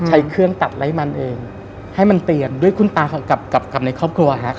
ใช้เครื่องตัดไล่มันเองให้มันเตียนด้วยคุณตากับในครอบครัวฮะ